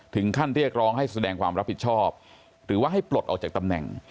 เรียกร้องให้แสดงความรับผิดชอบหรือว่าให้ปลดออกจากตำแหน่ง